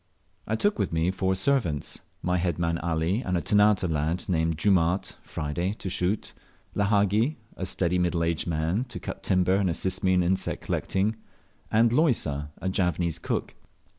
I took with me four servants: my head man Ali, and a Ternate lad named Jumaat (Friday), to shoot; Lahagi, a steady middle aged man, to cut timber and assist me in insect collecting; and Loisa, a Javanese cook.